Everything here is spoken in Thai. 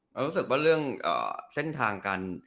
รู้สึกว่าเรื่องเส้นทางการ